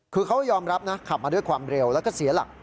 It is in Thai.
คือเขายอมรับนะขับมาด้วยความเร็วแล้วก็เสียหลัก